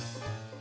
あ！